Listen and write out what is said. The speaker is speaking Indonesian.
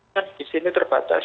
kan di sini terbatas